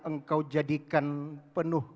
engkau jadikan penuh